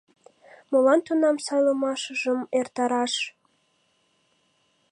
Молан тунам сайлымашыжым эртараш?